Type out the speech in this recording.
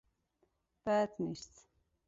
بد نیست